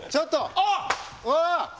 あっ！